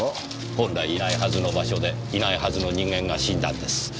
本来いないはずの場所でいないはずの人間が死んだんです。